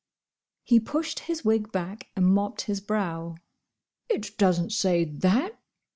He pushed his wig back and mopped his brow. "It doesn't say that!"